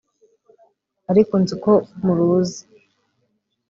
ariko nzi ko muruzi